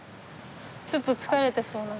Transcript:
ちょっと疲れてそうな。